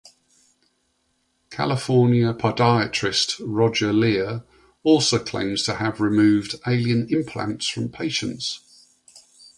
California podiatrist Roger Leir also claims to have removed alien implants from patients.